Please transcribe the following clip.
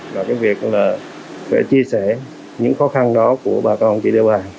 và việc chia sẻ những khó khăn đó của bà con chị đeo bàn